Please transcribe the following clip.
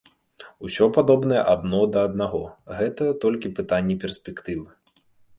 Усё падобнае адно да аднаго, гэта толькі пытанне перспектывы.